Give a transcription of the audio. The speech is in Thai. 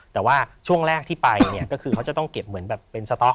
แต่ว่าช่วงแรกที่ไปเนี่ยก็คือเขาจะต้องเก็บเหมือนแบบเป็นสต๊อก